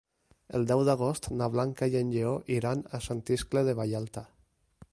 El deu d'agost na Blanca i en Lleó iran a Sant Iscle de Vallalta.